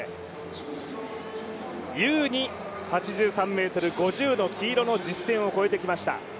優に８３ｍ５０の黄色の実線を越えてきました。